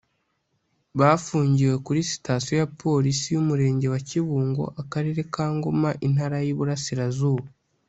bafungiwe kuri Sitasiyo ya polisi y’umurenge wa Kibungo akarere ka Ngoma intara y’uburasirazuba